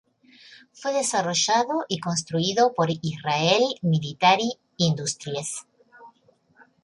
Fue desarrollado y construido por Israel Military Industries.